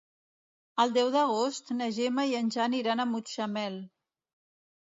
El deu d'agost na Gemma i en Jan iran a Mutxamel.